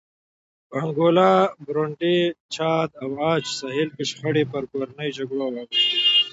په انګولا، برونډي، چاد او عاج ساحل کې شخړې پر کورنیو جګړو واوښتې.